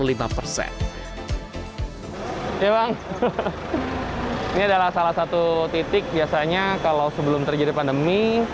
memang ini adalah salah satu titik biasanya kalau sebelum terjadi pandemi